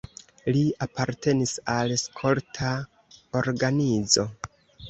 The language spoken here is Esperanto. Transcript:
Li apartenis al skolta organizo.